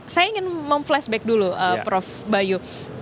saya ingin mem flashback dulu prof bayu